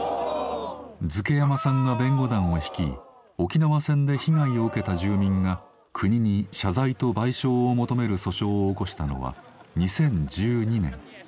瑞慶山さんが弁護団を率い沖縄戦で被害を受けた住民が国に謝罪と賠償を求める訴訟を起こしたのは２０１２年。